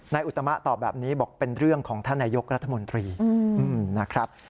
อุตมะตอบแบบนี้บอกเป็นเรื่องของท่านนายกรัฐมนตรีนะครับ